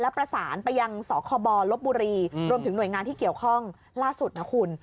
ประสานไปยังสคบลบบุรีรวมถึงหน่วยงานที่เกี่ยวข้องล่าสุดนะคุณ